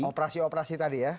operasi operasi tadi ya